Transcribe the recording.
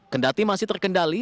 kendati masih terkendali